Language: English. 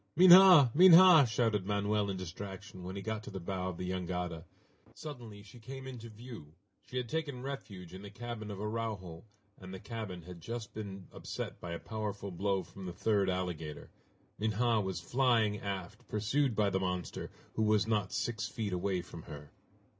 "Minha! Minha!" shouted Manoel in distraction, when he got to the bow of the jangada. Suddenly she came into view. She had taken refuge in the cabin of Araujo, and the cabin had just been upset by a powerful blow from the third alligator. Minha was flying aft, pursued by the monster, who was not six feet away from her.